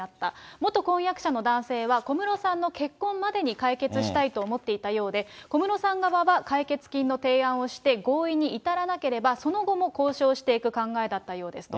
元婚約者の男性は、小室さんの結婚までに解決したいと思っていたようで、小室さん側は解決金の提案をして、合意に至らなければ、その後も交渉していく考えだったようですと。